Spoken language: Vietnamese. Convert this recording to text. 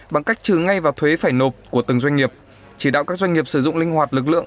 bằng cách trừ ngay vào thuế phải nộp của từng doanh nghiệp chỉ đạo các doanh nghiệp sử dụng linh hoạt lực lượng